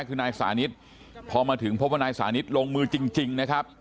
คือนายสานิทพอมาถึงพบว่านายสานิทลงมือจริงนะครับ